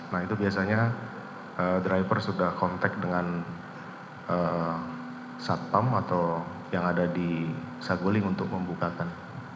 nah itu biasanya driver sudah kontak dengan satpam atau yang ada di saguling untuk membukakan